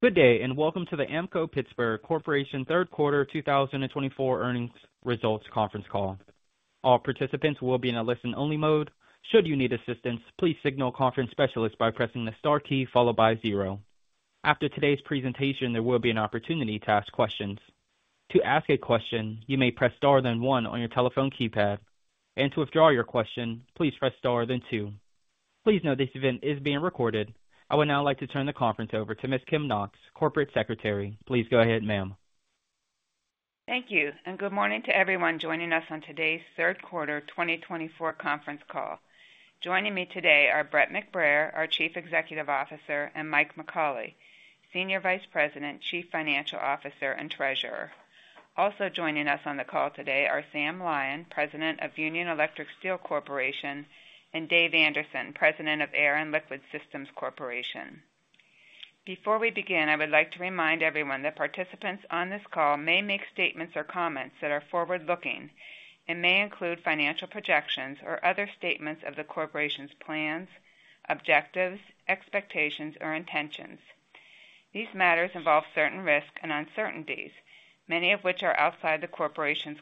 Good day, and welcome to the Ampco-Pittsburgh Corporation Third Quarter 2024 Earnings Results Conference Call. All participants will be in a listen-only mode. Should you need assistance, please signal conference specialists by pressing the star key followed by zero. After today's presentation, there will be an opportunity to ask questions. To ask a question, you may press star then one on your telephone keypad, and to withdraw your question, please press star then two. Please note this event is being recorded. I would now like to turn the conference over to Ms. Kim Knox, Corporate Secretary. Please go ahead, ma'am. Thank you, and Good morning to everyone joining us on today's Third Quarter 2024 Conference Call. Joining me today are Brett McBrayer, our Chief Executive Officer, and Mike McAuley, Senior Vice President, Chief Financial Officer, and Treasurer. Also joining us on the call today are Sam Lyon, President of Union Electric Steel Corporation, and Dave Anderson, President of Air & Liquid Systems Corporation. Before we begin, I would like to remind everyone that participants on this call may make statements or comments that are forward-looking and may include financial projections or other statements of the corporation's plans, objectives, expectations, or intentions. These matters involve certain risks and uncertainties, many of which are outside the corporation's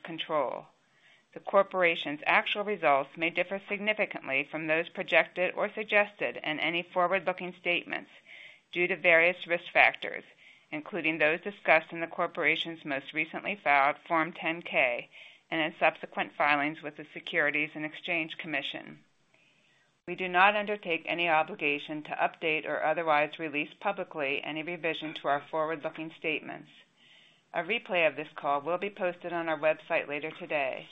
control. The corporation's actual results may differ significantly from those projected or suggested in any forward-looking statements due to various risk factors, including those discussed in the corporation's most recently filed Form 10-K and in subsequent filings with the Securities and Exchange Commission. We do not undertake any obligation to update or otherwise release publicly any revision to our forward-looking statements. A replay of this call will be posted on our website later today.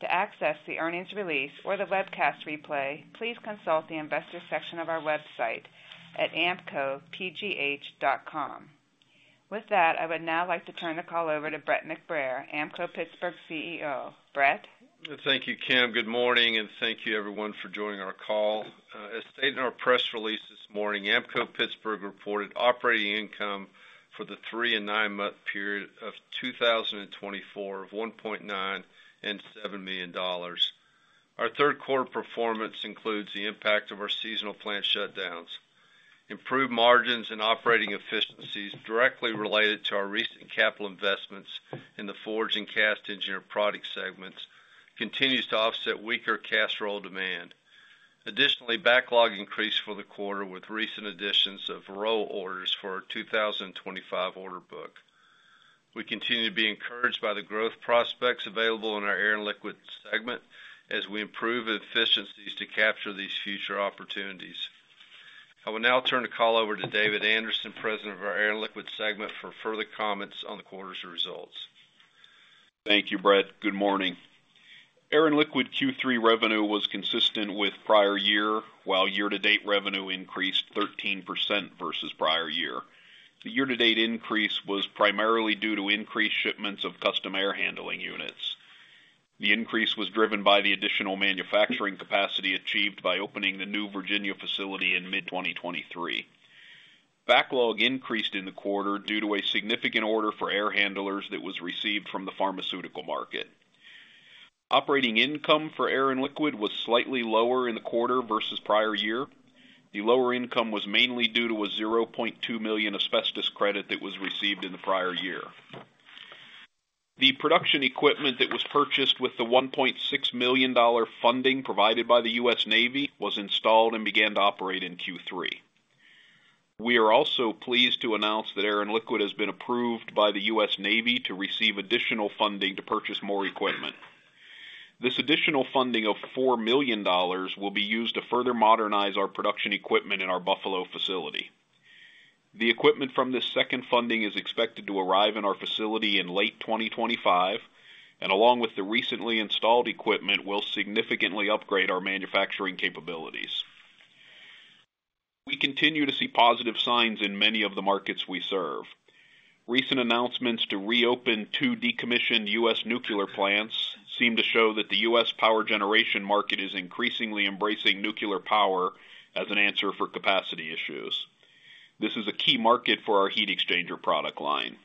To access the earnings release or the webcast replay, please consult the investor section of our website at ampcopgh.com. With that, I would now like to turn the call over to Brett McBrayer, Ampco-Pittsburgh CEO. Brett. Thank you, Kim. Good morning, and thank you, everyone, for joining our call. As stated in our press release this morning, Ampco-Pittsburgh reported operating income for the three- and nine-month period of 2024 of $1.97 million. Our third quarter performance includes the impact of our seasonal plant shutdowns. Improved margins and operating efficiencies directly related to our recent capital investments in the Forged and Cast Engineered Products segments continue to offset weaker cast roll demand. Additionally, backlog increased for the quarter with recent additions of roll orders for our 2025 order book. We continue to be encouraged by the growth prospects available in our Air and Liquid segment as we improve efficiencies to capture these future opportunities. I will now turn the call over to David Anderson, President of our Air and Liquid segment, for further comments on the quarter's results. Thank you, Brett. Good morning. Air and liquid Q3 revenue was consistent with prior year, while year-to-date revenue increased 13% versus prior year. The year-to-date increase was primarily due to increased shipments of custom air handling units. The increase was driven by the additional manufacturing capacity achieved by opening the new Virginia facility in mid-2023. Backlog increased in the quarter due to a significant order for air handlers that was received from the pharmaceutical market. Operating income for Air and Liquid was slightly lower in the quarter versus prior year. The lower income was mainly due to a $0.2 million asbestos credit that was received in the prior year. The production equipment that was purchased with the $1.6 million funding provided by the U.S. Navy was installed and began to operate in Q3. We are also pleased to announce that Air and Liquid has been approved by the U.S. Navy to receive additional funding to purchase more equipment. This additional funding of $4 million will be used to further modernize our production equipment in our Buffalo facility. The equipment from this second funding is expected to arrive in our facility in late 2025, and along with the recently installed equipment, will significantly upgrade our manufacturing capabilities. We continue to see positive signs in many of the markets we serve. Recent announcements to reopen two decommissioned U.S. nuclear plants seem to show that the U.S. power generation market is increasingly embracing nuclear power as an answer for capacity issues. This is a key market for our heat exchanger product line.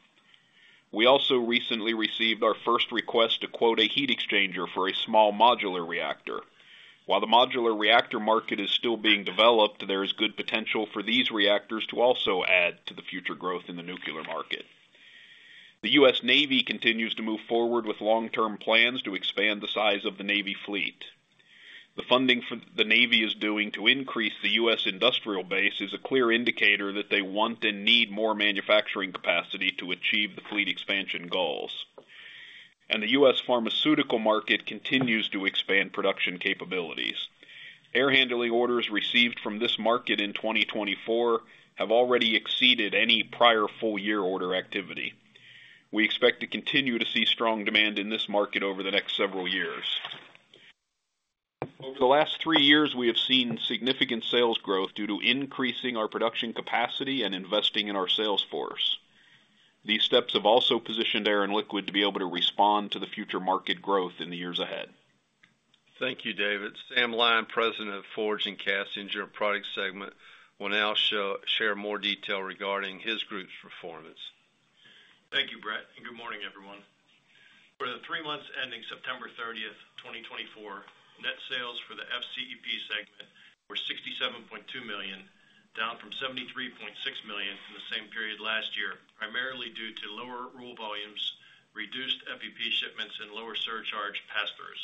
We also recently received our first request to quote a heat exchanger for a small modular reactor. While the modular reactor market is still being developed, there is good potential for these reactors to also add to the future growth in the nuclear market. The U.S. Navy continues to move forward with long-term plans to expand the size of the Navy fleet. The funding the Navy is doing to increase the U.S. industrial base is a clear indicator that they want and need more manufacturing capacity to achieve the fleet expansion goals. The U.S. pharmaceutical market continues to expand production capabilities. Air handling orders received from this market in 2024 have already exceeded any prior full-year order activity. We expect to continue to see strong demand in this market over the next several years. Over the last three years, we have seen significant sales growth due to increasing our production capacity and investing in our sales force. These steps have also positioned Air and Liquid to be able to respond to the future market growth in the years ahead. Thank you, David. Sam Lyon, President of Forged and Cast Engineered Products Segment, will now share more detail regarding his group's performance. Thank you, Brett. Good morning, everyone. For the three months ending September 30, 2024, net sales for the FCEP segment were $67.2 million, down from $73.6 million in the same period last year, primarily due to lower roll volumes, reduced FEP shipments, and lower surcharge pass-throughs.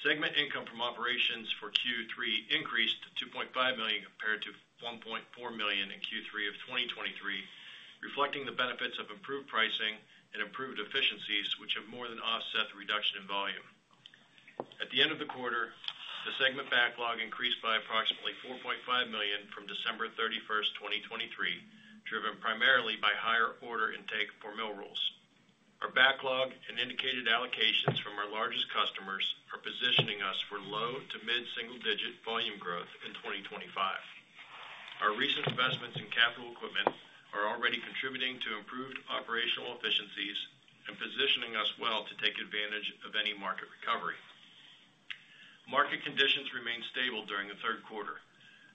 Segment income from operations for Q3 increased to $2.5 million compared to $1.4 million in Q3 of 2023, reflecting the benefits of improved pricing and improved efficiencies, which have more than offset the reduction in volume. At the end of the quarter, the segment backlog increased by approximately $4.5 million from December 31, 2023, driven primarily by higher order intake for mill rolls. Our backlog and indicated allocations from our largest customers are positioning us for low to mid-single-digit volume growth in 2025. Our recent investments in capital equipment are already contributing to improved operational efficiencies and positioning us well to take advantage of any market recovery. Market conditions remained stable during the third quarter.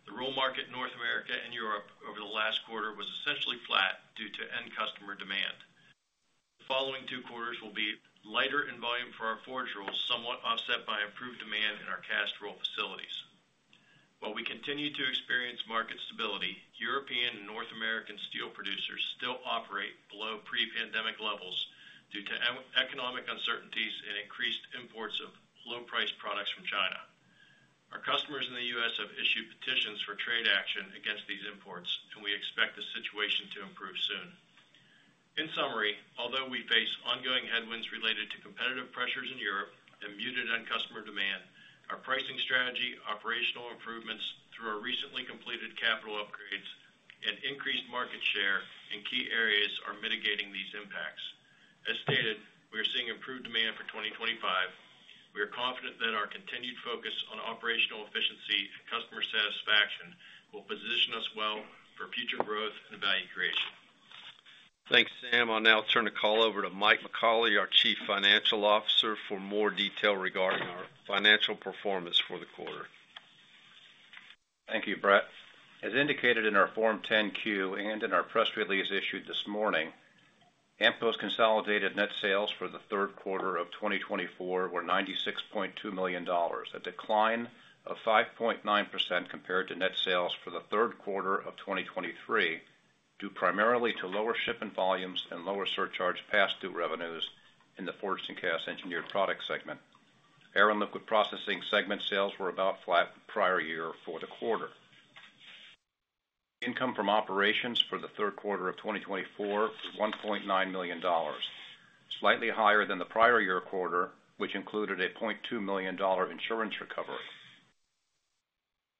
The roll market in North America and Europe over the last quarter was essentially flat due to end customer demand. The following two quarters will be lighter in volume for our forged rolls, somewhat offset by improved demand in our cast roll facilities. While we continue to experience market stability, European and North American steel producers still operate below pre-pandemic levels due to economic uncertainties and increased imports of low-priced products from China. Our customers in the U.S. have issued petitions for trade action against these imports, and we expect the situation to improve soon. In summary, although we face ongoing headwinds related to competitive pressures in Europe and muted end customer demand, our pricing strategy, operational improvements through our recently completed capital upgrades, and increased market share in key areas are mitigating these impacts. As stated, we are seeing improved demand for 2025. We are confident that our continued focus on operational efficiency and customer satisfaction will position us well for future growth and value creation. Thanks, Sam. I'll now turn the call over to Mike McAuley, our Chief Financial Officer, for more detail regarding our financial performance for the quarter. Thank you, Brett. As indicated in our Form 10-Q and in our press release issued this morning, Ampco's consolidated net sales for the third quarter of 2024 were $96.2 million, a decline of 5.9% compared to net sales for the third quarter of 2023, due primarily to lower shipment volumes and lower surcharge pass-through revenues in the Forged and Cast Engineered Products segment. Air and Liquid Processing segment sales were about flat prior year for the quarter. Income from operations for the third quarter of 2024 was $1.9 million, slightly higher than the prior year quarter, which included a $0.2 million insurance recovery.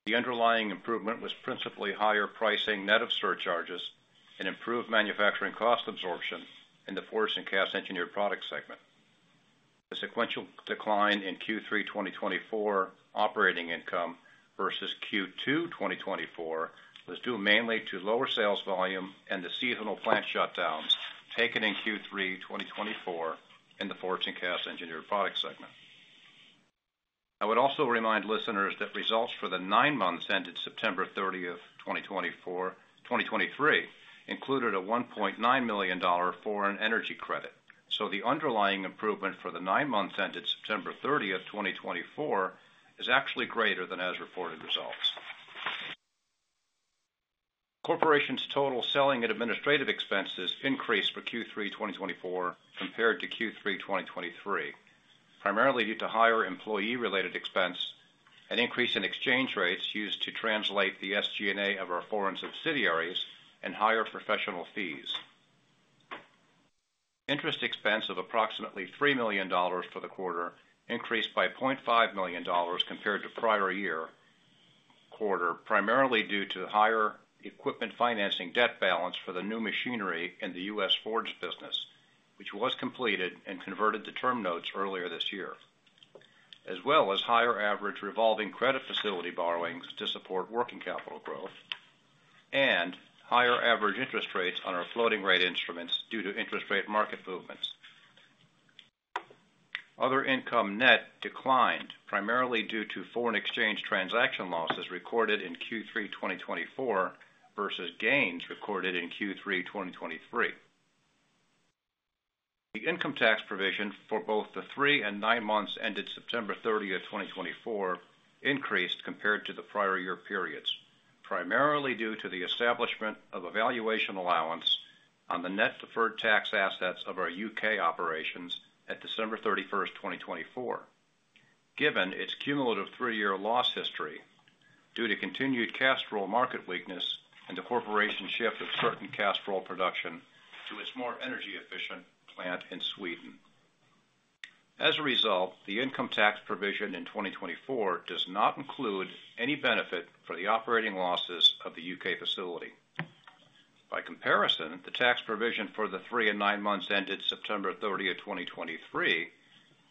The underlying improvement was principally higher pricing net of surcharges and improved manufacturing cost absorption in the Forged and Cast Engineered Products segment. The sequential decline in Q3 2024 operating income versus Q2 2024 was due mainly to lower sales volume and the seasonal plant shutdowns taken in Q3 2024 in the Forged and Cast Engineered Product segment. I would also remind listeners that results for the nine months ended September 30, 2023, included a $1.9 million foreign energy credit, so the underlying improvement for the nine months ended September 30, 2024, is actually greater than as reported results. Corporation's total selling and administrative expenses increased for Q3 2024 compared to Q3 2023, primarily due to higher employee-related expense, an increase in exchange rates used to translate the SG&A of our foreign subsidiaries, and higher professional fees. Interest expense of approximately $3 million for the quarter increased by $0.5 million compared to prior year quarter, primarily due to higher equipment financing debt balance for the new machinery in the U.S. forge business, which was completed and converted to term notes earlier this year, as well as higher average revolving credit facility borrowings to support working capital growth and higher average interest rates on our floating rate instruments due to interest rate market movements. Other income net declined, primarily due to foreign exchange transaction losses recorded in Q3 2024 versus gains recorded in Q3 2023. The income tax provision for both the three and nine months ended September 30, 2024, increased compared to the prior year periods, primarily due to the establishment of a valuation allowance on the net deferred tax assets of our U.K. operations at December 31, 2024, given its cumulative three-year loss history due to continued cast roll market weakness and the corporation's shift of certain cast roll production to its more energy-efficient plant in Sweden. As a result, the income tax provision in 2024 does not include any benefit for the operating losses of the U.K. facility. By comparison, the tax provision for the three and nine months ended September 30, 2023,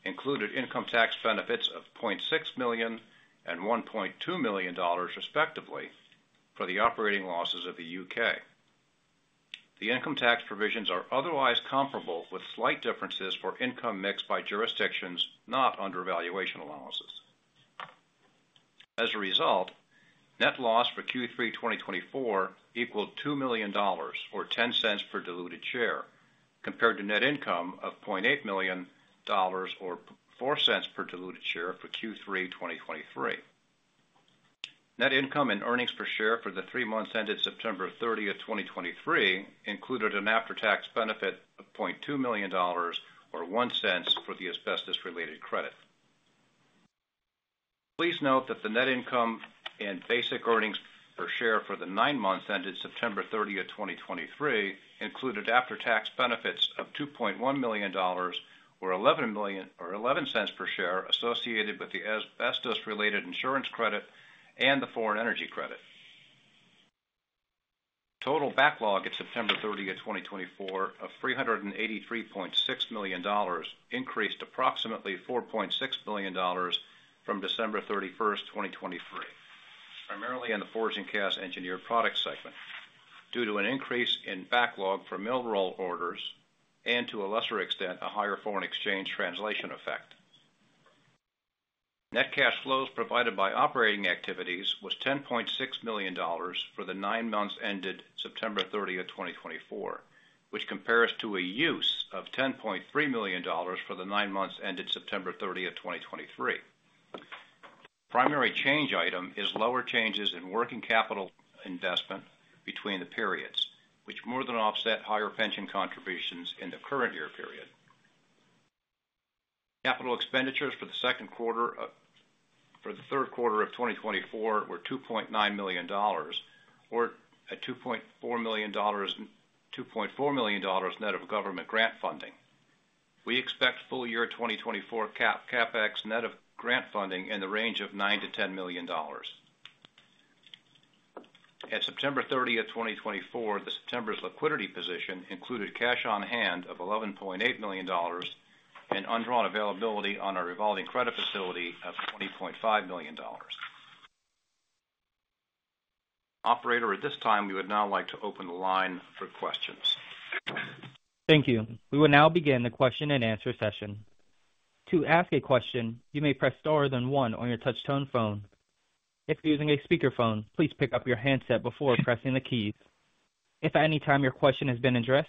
included income tax benefits of $0.6 million and $1.2 million, respectively, for the operating losses of the U.K. The income tax provisions are otherwise comparable with slight differences for income mixed by jurisdictions not under valuation allowances. As a result, net loss for Q3 2024 equaled $2 million, or $0.10 per diluted share, compared to net income of $0.8 million, or $0.04 per diluted share for Q3 2023. Net income and earnings per share for the three months ended September 30, 2023, included an after-tax benefit of $0.2 million, or $0.01 for the asbestos-related credit. Please note that the net income and basic earnings per share for the nine months ended September 30, 2023, included after-tax benefits of $2.1 million, or $0.11 per share, associated with the asbestos-related insurance credit and the foreign energy credit. Total backlog at September 30, 2024, of $383.6 million increased approximately $4.6 million from December 31, 2023, primarily in the Forged and Cast Engineered Products segment due to an increase in backlog for mill roll orders and, to a lesser extent, a higher foreign exchange translation effect. Net cash flows provided by operating activities was $10.6 million for the nine months ended September 30, 2024, which compares to a use of $10.3 million for the nine months ended September 30, 2023. Primary change item is lower changes in working capital investment between the periods, which more than offset higher pension contributions in the current year period. Capital expenditures for the third quarter of 2024 were $2.9 million, or $2.4 million net of government grant funding. We expect full year 2024 CapEx net of grant funding in the range of $9 to $10 million. At September 30, 2024, the company's liquidity position included cash on hand of $11.8 million and undrawn availability on our revolving credit facility of $20.5 million. Operator, at this time, we would now like to open the line for questions. Thank you. We will now begin the question and answer session. To ask a question, you may press star then one on your touch-tone phone. If using a speakerphone, please pick up your handset before pressing the keys. If at any time your question has been addressed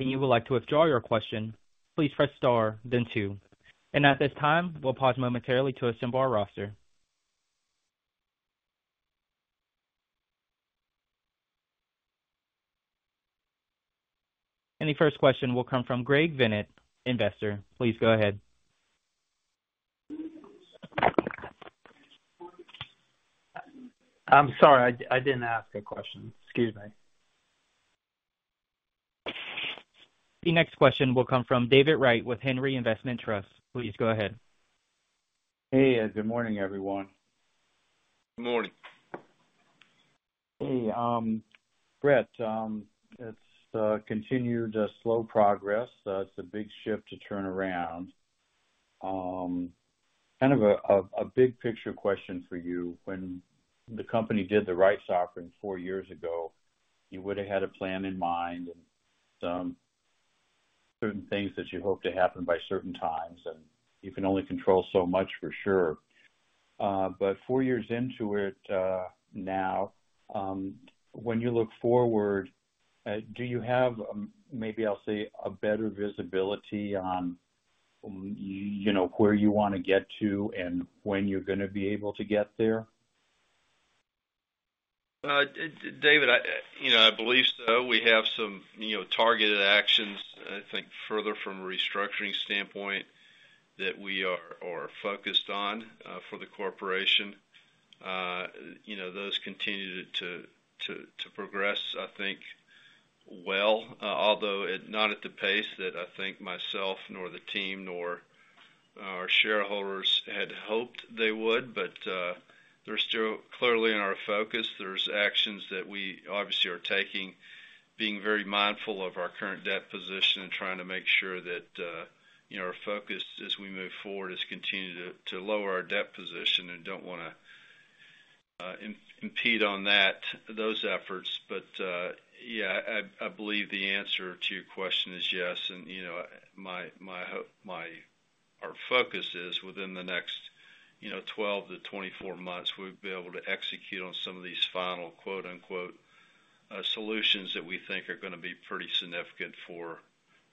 and you would like to withdraw your question, please press star, then two. And at this time, we'll pause momentarily to assemble our roster. And the first question will come from Greg Venit, investor. Please go ahead. I'm sorry. I didn't ask a question. Excuse me. The next question will come from David Wright with Henry Investment Trust. Please go ahead. Hey, good morning, everyone. Good morning. Hey, Brett. It's continued slow progress. It's a big shift to turn around. Kind of a big-picture question for you. When the company did the rights offering four years ago, you would have had a plan in mind and some certain things that you hope to happen by certain times, and you can only control so much, for sure. But four years into it now, when you look forward, do you have, maybe I'll say, a better visibility on where you want to get to and when you're going to be able to get there? David, I believe so. We have some targeted actions, I think, further from a restructuring standpoint that we are focused on for the corporation. Those continue to progress, I think, well, although not at the pace that I think myself, nor the team, nor our shareholders had hoped they would. But they're still clearly in our focus. There's actions that we obviously are taking, being very mindful of our current debt position and trying to make sure that our focus as we move forward is continuing to lower our debt position and don't want to impede on those efforts. But yeah, I believe the answer to your question is yes. And my hope, our focus is within the next 12 to 24 months, we'll be able to execute on some of these final "solutions" that we think are going to be pretty significant for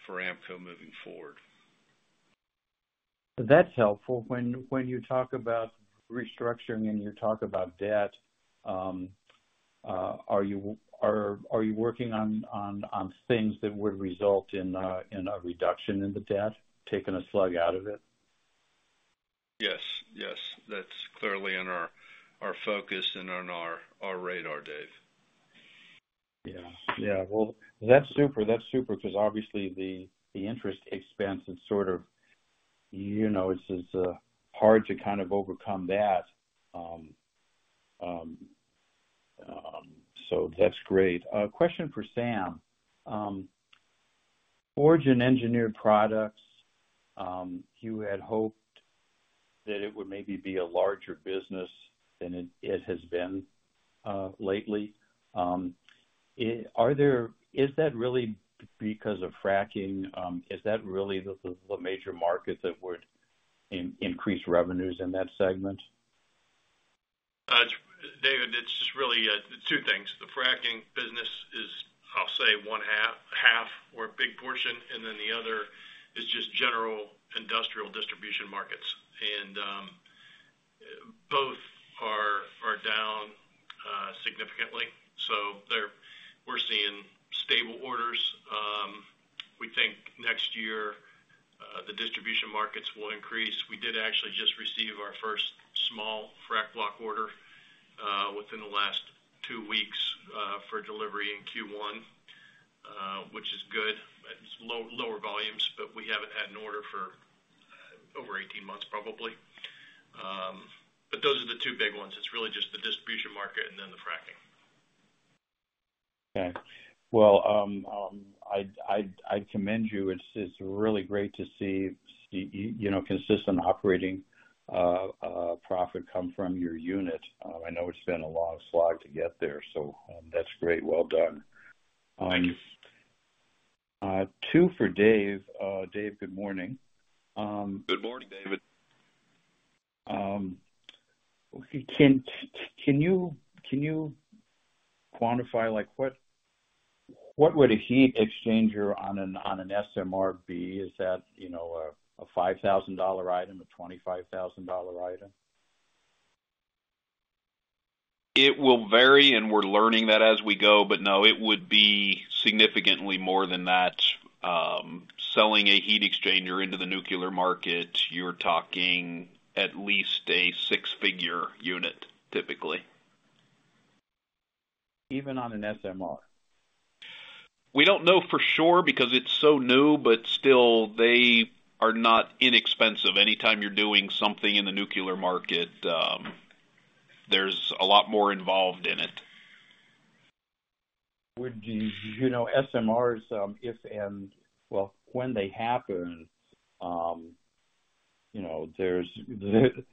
Ampco moving forward. That's helpful. When you talk about restructuring and you talk about debt, are you working on things that would result in a reduction in the debt, taking a slug out of it? Yes. Yes. That's clearly in our focus and on our radar, Dave. Yeah. Yeah. Well, that's super. That's super because obviously the interest expense is sort of, it's hard to kind of overcome that. So that's great. Question for Sam. Forged and engineered products, you had hoped that it would maybe be a larger business than it has been lately. Is that really because of fracking? Is that really the major market that would increase revenues in that segment? David, it's just really two things. The fracking business is, I'll say, one half or a big portion, and then the other is just general industrial distribution markets, and both are down significantly, so we're seeing stable orders. We think next year the distribution markets will increase. We did actually just receive our first small frac block order within the last two weeks for delivery in Q1, which is good. It's lower volumes, but we haven't had an order for over 18 months, probably, but those are the two big ones. It's really just the distribution market and then the fracking. Okay. I commend you. It's really great to see consistent operating profit come from your unit. I know it's been a long slog to get there, so that's great. Well done. Two for Dave. Dave, good morning. Good morning, David. Can you quantify what would a heat exchanger on an SMR be? Is that a $5,000 item, a $25,000 item? It will vary, and we're learning that as we go. But no, it would be significantly more than that. Selling a heat exchanger into the nuclear market, you're talking at least a six-figure unit, typically. Even on an SMR? We don't know for sure because it's so new, but still, they are not inexpensive. Anytime you're doing something in the nuclear market, there's a lot more involved in it. Would SMRs, well, when they happen, they're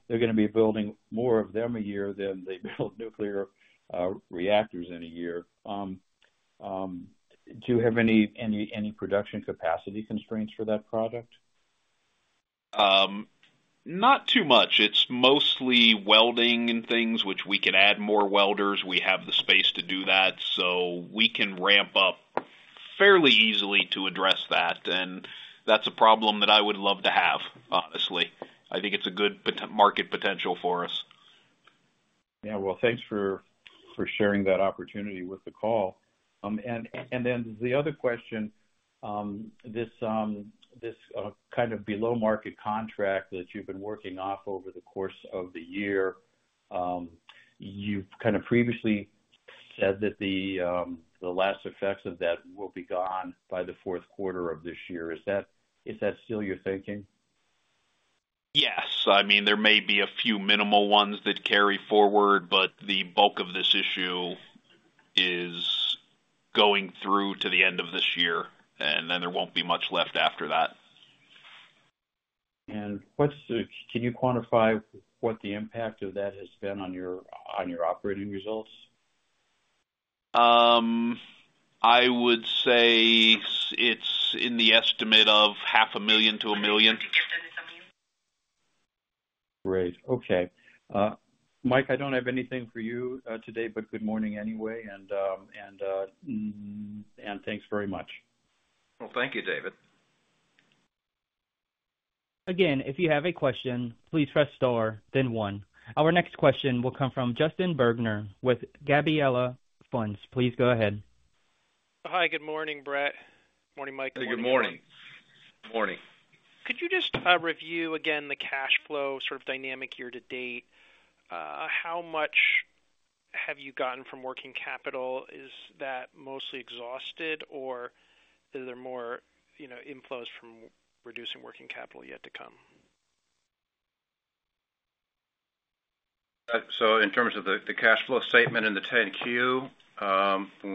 going to be building more of them a year than they build nuclear reactors in a year. Do you have any production capacity constraints for that product? Not too much. It's mostly welding and things, which we can add more welders. We have the space to do that. So we can ramp up fairly easily to address that. And that's a problem that I would love to have, honestly. I think it's a good market potential for us. Yeah. Well, thanks for sharing that opportunity with the call. And then the other question, this kind of below-market contract that you've been working off over the course of the year, you've kind of previously said that the last effects of that will be gone by the fourth quarter of this year. Is that still your thinking? Yes. I mean, there may be a few minimal ones that carry forward, but the bulk of this issue is going through to the end of this year, and then there won't be much left after that. Can you quantify what the impact of that has been on your operating results? I would say it's in the estimate of $500,000 to $1 million. Great. Okay. Mike, I don't have anything for you today, but good morning anyway, and thanks very much. Thank you, David. Again, if you have a question, please press star, then one. Our next question will come from Justin Bergner with Gabelli Funds. Please go ahead. Hi. Good morning, Brett. Morning, Mike. Good morning. Morning. Could you just review again the cash flow sort of dynamic year to date? How much have you gotten from working capital? Is that mostly exhausted, or are there more inflows from reducing working capital yet to come? In terms of the cash flow statement and the 10-Q,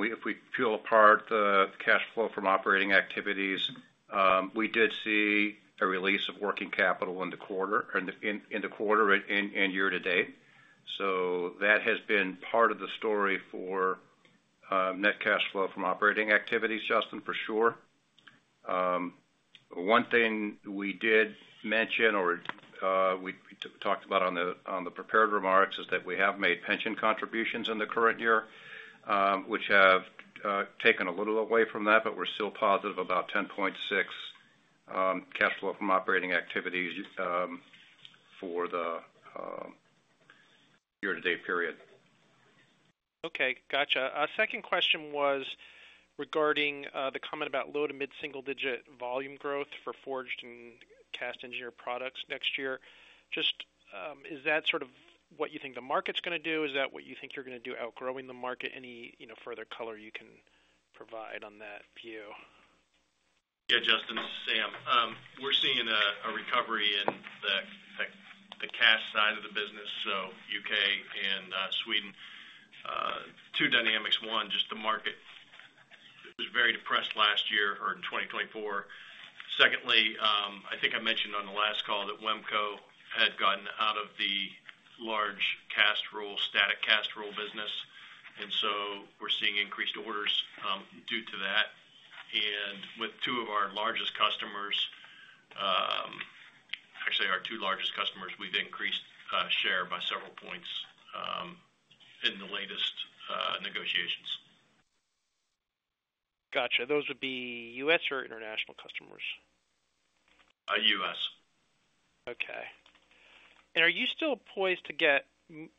if we peel apart the cash flow from operating activities, we did see a release of working capital in the quarter and year-to-date. That has been part of the story for net cash flow from operating activities, Justin, for sure. One thing we did mention or we talked about on the prepared remarks is that we have made pension contributions in the current year, which have taken a little away from that, but we're still positive about $10.6 million cash flow from operating activities for the year-to-date period. Okay. Gotcha. Second question was regarding the comment about low to mid-single-digit volume growth for forged and cast engineered products next year. Just, is that sort of what you think the market's going to do? Is that what you think you're going to do outgrowing the market? Any further color you can provide on that view? Yeah, Justin, Sam. We're seeing a recovery in the cast side of the business, so UK and Sweden. Two dynamics. One, just the market was very depressed last year or in 2024. Secondly, I think I mentioned on the last call that WHEMCO had gotten out of the large cast roll, static cast roll business. And so we're seeing increased orders due to that. And with two of our largest customers, actually our two largest customers, we've increased share by several points in the latest negotiations. Gotcha. Those would be U.S. or international customers? US. Okay. And are you still poised to get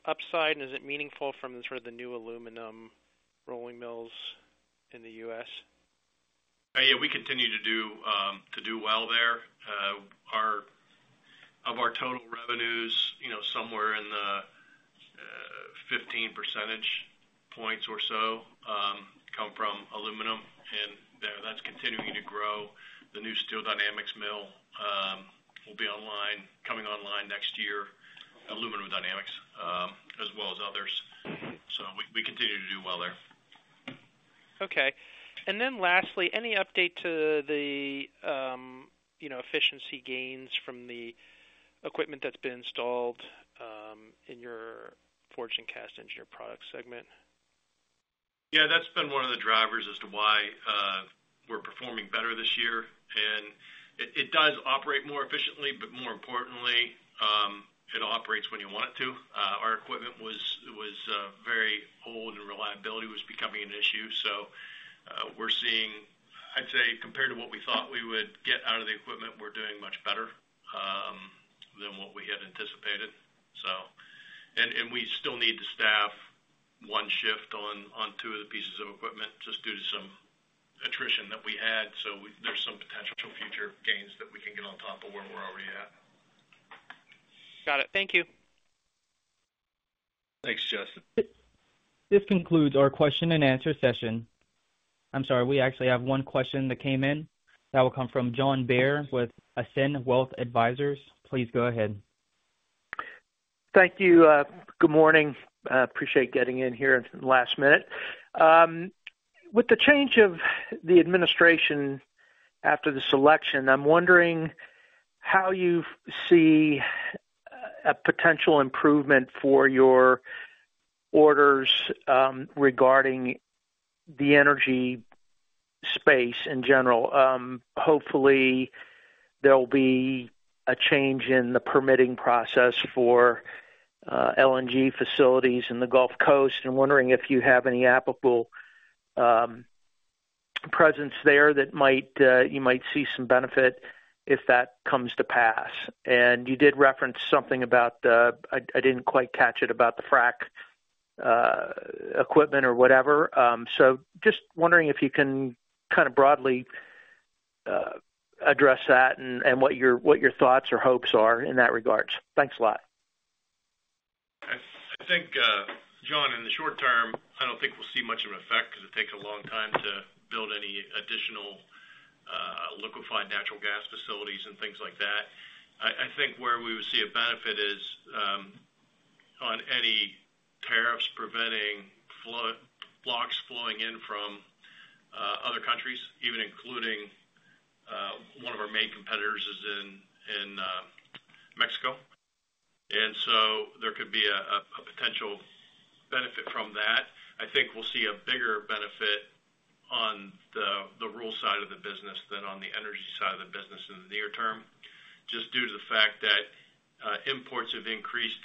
upside? And is it meaningful from sort of the new aluminum rolling mills in the U.S.? Yeah. We continue to do well there. Of our total revenues, somewhere in the 15 percentage points or so come from aluminum. And that's continuing to grow. The new Steel Dynamics mill will be coming online next year, Aluminum Dynamics, as well as others. So we continue to do well there. Okay. And then lastly, any update to the efficiency gains from the equipment that's been installed in your Forged and Cast Engineered Products segment? Yeah. That's been one of the drivers as to why we're performing better this year. And it does operate more efficiently, but more importantly, it operates when you want it to. Our equipment was very old, and reliability was becoming an issue. So we're seeing, I'd say, compared to what we thought we would get out of the equipment, we're doing much better than what we had anticipated. And we still need to staff one shift on two of the pieces of equipment just due to some attrition that we had. So there's some potential future gains that we can get on top of where we're already at. Got it. Thank you. Thanks, Justin. This concludes our question and answer session. I'm sorry. We actually have one question that came in. That will come from John Baer with Ascend Wealth Advisors. Please go ahead. Thank you. Good morning. Appreciate getting in here at the last minute. With the change of the administration after the selection, I'm wondering how you see a potential improvement for your orders regarding the energy space in general. Hopefully, there'll be a change in the permitting process for LNG facilities in the Gulf Coast. And wondering if you have any applicable presence there that you might see some benefit if that comes to pass. And you did reference something about the, I didn't quite catch it, about the frack equipment or whatever. So just wondering if you can kind of broadly address that and what your thoughts or hopes are in that regard. Thanks a lot. I think, John, in the short term, I don't think we'll see much of an effect because it takes a long time to build any additional liquefied natural gas facilities and things like that. I think where we would see a benefit is on any tariffs preventing frac blocks flowing in from other countries, even including one of our main competitors is in Mexico, and so there could be a potential benefit from that. I think we'll see a bigger benefit on the roll side of the business than on the energy side of the business in the near term, just due to the fact that imports have increased,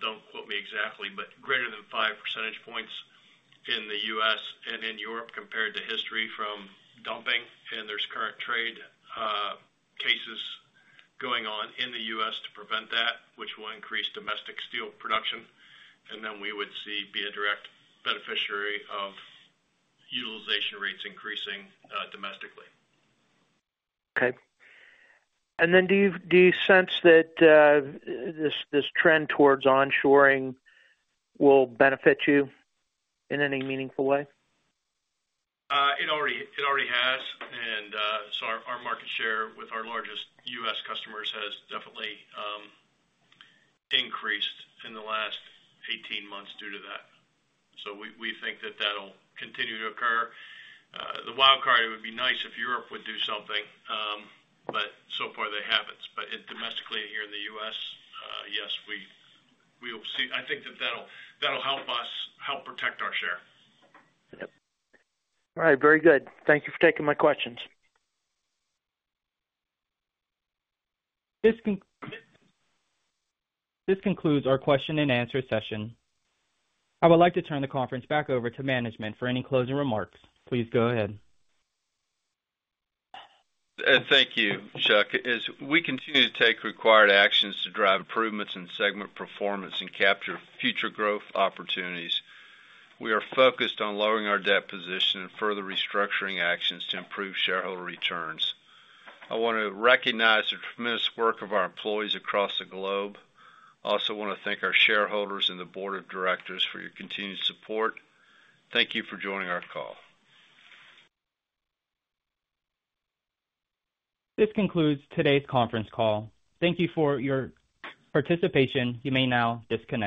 don't quote me exactly, but greater than 5 percentage points in the U.S. and in Europe compared to history from dumping, and there's current trade cases going on in the U.S. to prevent that, which will increase domestic steel production. We would be a direct beneficiary of utilization rates increasing domestically. Okay. And then do you sense that this trend towards onshoring will benefit you in any meaningful way? It already has. And so our market share with our largest U.S. customers has definitely increased in the last 18 months due to that. So we think that that'll continue to occur. The wildcard, it would be nice if Europe would do something, but so far they haven't. But domestically here in the U.S., yes, we will see. I think that that'll help us help protect our share. Yep. All right. Very good. Thank you for taking my questions. This concludes our question and answer session. I would like to turn the conference back over to management for any closing remarks. Please go ahead. Thank you, Chuck. As we continue to take required actions to drive improvements in segment performance and capture future growth opportunities, we are focused on lowering our debt position and further restructuring actions to improve shareholder returns. I want to recognize the tremendous work of our employees across the globe. I also want to thank our shareholders and the board of directors for your continued support. Thank you for joining our call. This concludes today's conference call. Thank you for your participation. You may now disconnect.